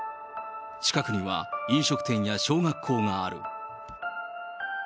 近くには飲食店や小学校がある。